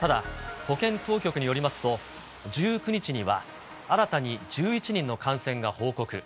ただ、保健当局によりますと、１９日には新たに１１人の感染が報告。